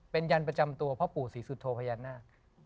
เป็นยันทร์ประจำตัวพระปู่ศรีสุทธโตพยานหน้า